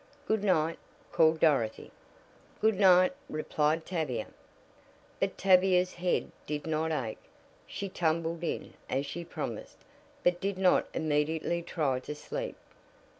"Good night," called Dorothy. "Good night," replied Tavia. But Tavia's head did not ache. She "tumbled in" as she promised, but did not immediately try to sleep.